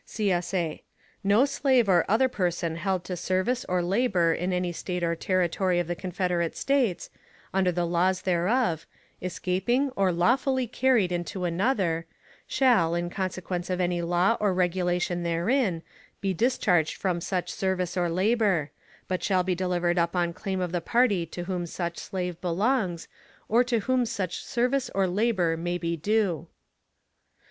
[CSA] No slave or other person held to service or labor in any State or Territory of the Confederate States, under the laws thereof, escaping or lawfully carried into another, shall, in consequence of any law or regulation therein, be discharged from such service or labor; but shall be delivered up on claim of the party to whom such slave belongs, or to whom such service or labor may be due.